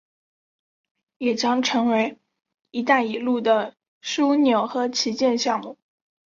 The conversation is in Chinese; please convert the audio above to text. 也将成为一带一路的枢纽和旗舰项目。